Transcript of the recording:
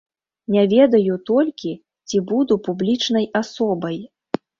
Не ведаю толькі, ці буду публічнай асобай.